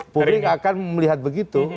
puping akan melihat begitu